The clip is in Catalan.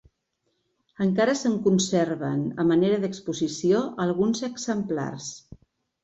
Encara se’n conserven, a manera d’exposició, alguns exemplars.